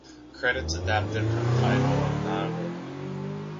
Credits adapted from Tidal and Naver.